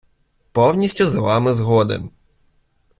Повністю з вами згоден.